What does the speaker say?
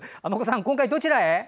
今回はどちらへ？